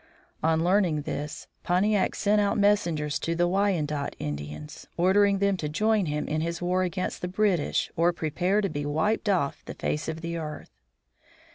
On learning this, Pontiac sent out messengers to the Wyandot Indians, ordering them to join him in his war against the British or prepare to be wiped off the face of the earth.